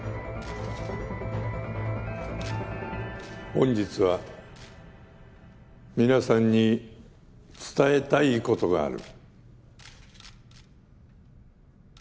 本日は皆さんに伝えたいことがある。